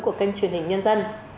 của kênh truyền hình nhân dân